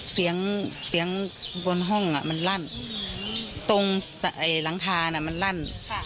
เสียงเสียงบนห้องมันลั่นตรงหลังคาน่ะมันลั่น